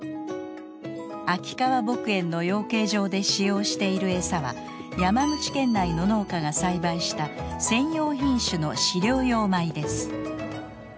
秋川牧園の養鶏場で使用しているエサは山口県内の農家が栽培した専用品種の飼料用米です。